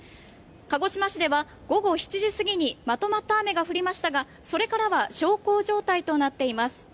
鹿児島市では午後７時過ぎにまとまった雨が降りましたがそれからは小康状態となっています。